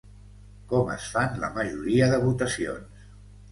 Com es fan la majoria de votacions?